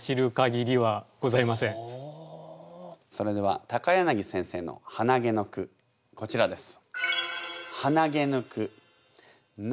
それでは柳先生の「はなげ」の句こちらです。